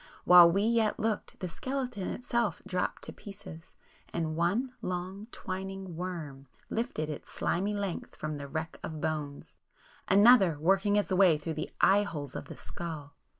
While we yet looked, the skeleton itself dropped to pieces,—and one long twining worm lifted its slimy length from the wreck of bones, another working its way through the eye holes of the skull.